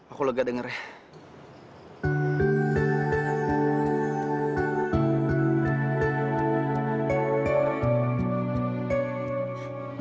aku lega dengarnya